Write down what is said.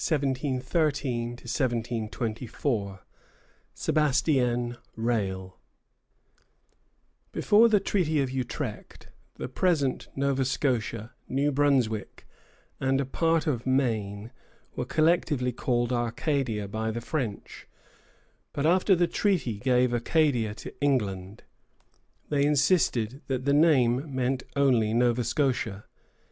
Reprisal. Attack on Norridgewock. Death of Rale. Before the Treaty of Utrecht, the present Nova Scotia, New Brunswick, and a part of Maine were collectively called Acadia by the French; but after the treaty gave Acadia to England, they insisted that the name meant only Nova Scotia.